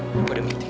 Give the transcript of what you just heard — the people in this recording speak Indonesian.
aku ada meeting